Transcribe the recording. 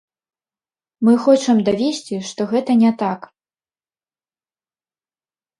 Мы хочам давесці, што гэта не так.